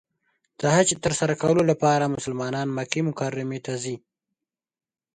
د حج تر سره کولو لپاره مسلمانان مکې مکرمې ته ځي .